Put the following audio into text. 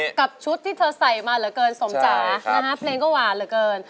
กับชุดที่เธอใส่มาเหลือเกินสมจ๋านะฮะเพลงก็หวานเหลือเกิน